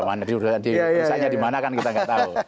mana diurusannya dimana kan kita nggak tahu